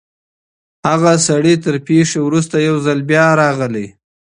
هغه سړی تر پېښي وروسته یو ځل بیا راغلی.